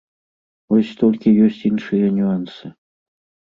Вось толькі ёсць іншыя нюансы.